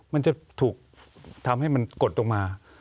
มันจะถูกทำให้มันกดลงมา